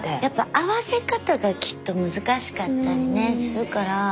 やっぱ合わせ方がきっと難しかったりねするから。